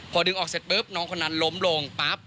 พอดึงออกเสร็จปุ๊บน้องคนนั้นล้มลงปั๊บ